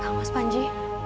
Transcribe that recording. kang mas panji